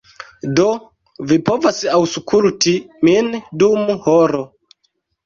Do, vi povas aŭskulti min dum horo.